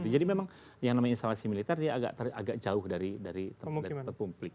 jadi memang yang namanya instalasi militer dia agak jauh dari publik